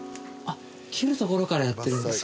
切るところからやってるんですか